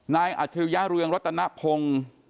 นายอาชิริยาเรืองรัตนพงศ์